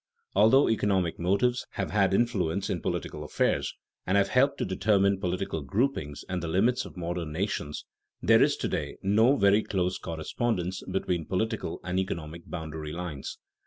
_ Although economic motives have had influence in political affairs and have helped to determine political groupings and the limits of modern nations, there is to day no very close correspondence between political and economic boundary lines.